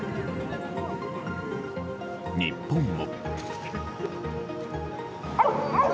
日本も。